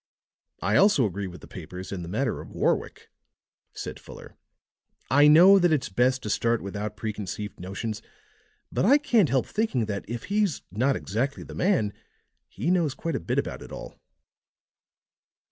"I also agree with the papers in the matter of Warwick," said Fuller. "I know that it's best to start without preconceived notions, but I can't help thinking that, if he's not exactly the man, he knows quite a bit about it all."